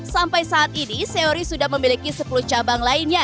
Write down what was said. sampai saat ini seori sudah memiliki sepuluh cabang lainnya